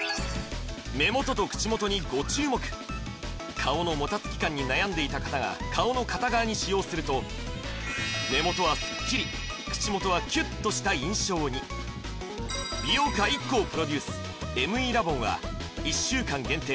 顔のもたつき感に悩んでいた方が顔の片側に使用すると目元はスッキリ口元はキュッとした印象に美容家ＩＫＫＯプロデュースＭＥラボンは１週間限定